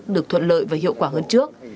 được thuận lợi và hiệu quả hơn trước